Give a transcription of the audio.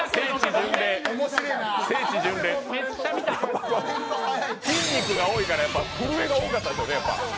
聖地巡礼、筋肉が多いから震えが多かったんでしょうね。